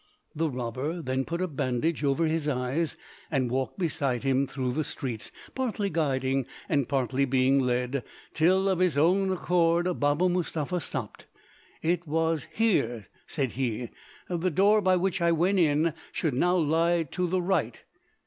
The robber then put a bandage over his eyes, and walked beside him through the streets, partly guiding and partly being led, till of his own accord Baba Mustapha stopped. "It was here," said he. "The door by which I went in should now lie to the right."